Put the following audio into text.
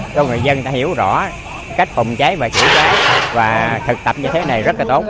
cho người dân hiểu rõ cách phòng cháy và chữa cháy và thực tập như thế này rất là tốt